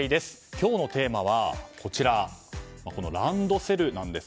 今日のテーマはランドセルです。